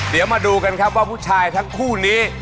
เดี๋ยวมาดูกันครับว่าผู้ชายทั้งคู่นี้